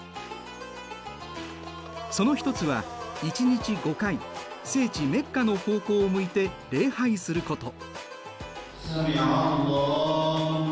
その一つは１日５回聖地メッカの方向を向いて礼拝すること。